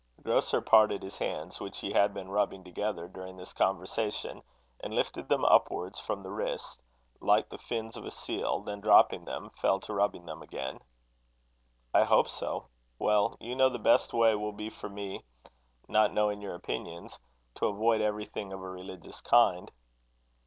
The grocer parted his hands, which he had been rubbing together during this conversation, and lifted them upwards from the wrists, like the fins of a seal; then, dropping them, fell to rubbing them again. "I hope so. Well you know the best way will be for me not knowing your opinions to avoid everything of a religious kind."